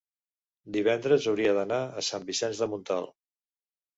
divendres hauria d'anar a Sant Vicenç de Montalt.